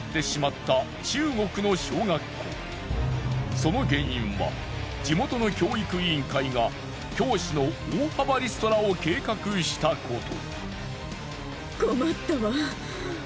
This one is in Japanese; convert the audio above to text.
その原因は地元の教育委員会が教師の大幅リストラを計画したこと。